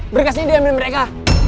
berkas ini dia ambil mereka